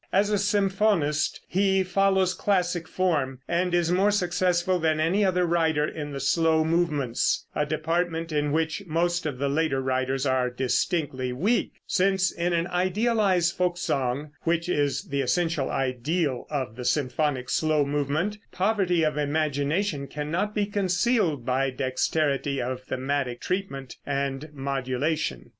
As a symphonist he follows classic form, and is more successful than any other writer in the slow movements, a department in which most of the later writers are distinctly weak, since in an idealized folk song (which is the essential ideal of the symphonic slow movement) poverty of imagination cannot be concealed by dexterity of thematic treatment and modulation.